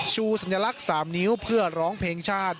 สัญลักษณ์๓นิ้วเพื่อร้องเพลงชาติ